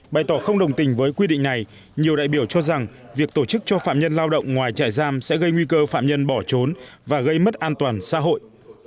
bày tỏ không đồng tình với quy định này nhiều đại biểu cho rằng việc tổ chức cho phạm nhân lao động ngoài trại giam sẽ gây nguy cơ phạm nhân bỏ trốn và gây mất an toàn xã hội